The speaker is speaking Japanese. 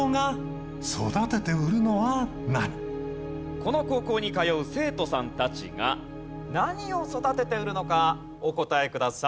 この高校に通う生徒さんたちが何を育てて売るのかお答えください。